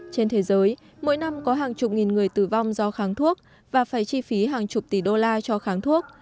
trên thế giới mỗi năm có hàng chục nghìn người tử vong do kháng thuốc và phải chi phí hàng chục tỷ đô la cho kháng thuốc